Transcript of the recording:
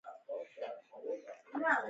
زه د استاد د مثالونو پیروي کوم.